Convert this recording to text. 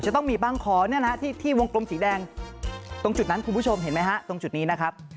จะต้องมีบางขอเนี่ยนะที่วงกลมสีแดงตรงจุดนั้นคุณผู้ชมเห็นไหมฮะตรงจุดนี้นะครับ